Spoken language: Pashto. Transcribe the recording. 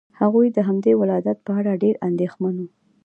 هغوی د همدې ولادت په اړه ډېر اندېښمن وو.